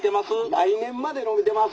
「来年までのびてます」。